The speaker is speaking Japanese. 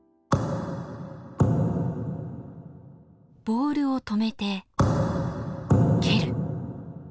ボールを止めて蹴る。